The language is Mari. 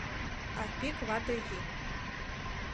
Арпик вате йӱк.